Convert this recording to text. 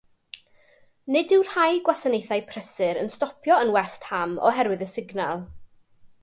Nid yw rhai gwasanaethau prysur yn stopio yn West Ham oherwydd y signal.